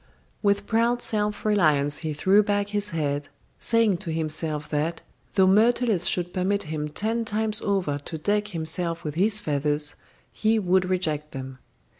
With proud self reliance he threw back his head, saying to himself that, though Myrtilus should permit him ten times over to deck him self with his feathers, he would reject them.